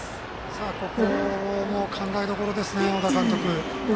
ここも考えどころですね小田監督。